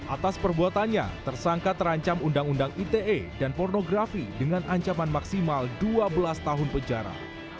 atas perbuatannya tersangka terancam undang undang ite dan pornografi dengan ancaman maksimal dua belas tahun penjara